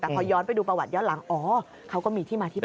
แต่พอย้อนไปดูประวัติย้อนหลังอ๋อเขาก็มีที่มาที่ไป